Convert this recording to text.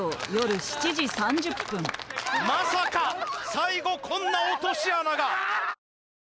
まさか最後こんな落とし穴が。